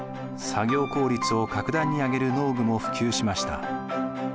作業効率を格段に上げる農具も普及しました。